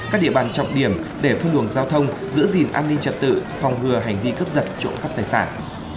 các địa bàn trọng điểm để phân đường giao thông giữ gìn an ninh trật tự phòng hừa hành vi cướp giật chỗ khắp tài sản